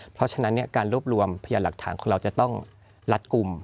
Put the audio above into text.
เพราะฉะนั้นการรวบรวมพยานหลักฐานของเราจะต้องรัดกลุ่ม